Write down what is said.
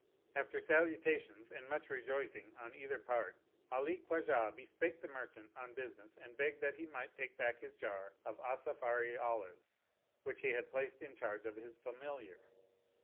After salutations and much rejoicing on either part Ali Khwajah bespake the merchant on business and begged that he might take back his jar of Asafiri olives which he had placed in charge of his familiar.